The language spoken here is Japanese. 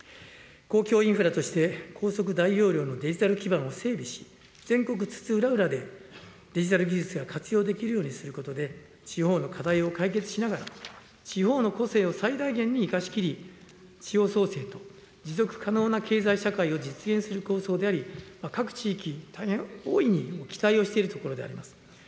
公共インフラとして、高速大容量のデジタル基盤を整備し、全国津々浦々で、デジタル技術が活用できるようにすることで、地方の課題を解決しながら、地方の個性を最大限に生かしきり、地方創生と持続可能な経済社会を実現する構想であり、各地域、大変大いに期待をしているところであります。